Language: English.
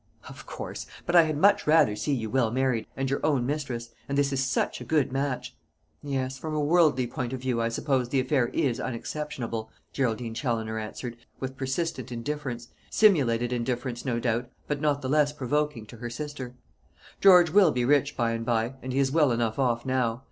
"Of course; but I had much rather see you well married, and your own mistress; and this is such a good match." "Yes; from a worldly point of view, I suppose, the affair is unexceptionable," Geraldine Challoner answered, with persistent indifference; simulated indifference, no doubt, but not the less provoking to her sister. "George will be rich by and by, and he is well enough off now.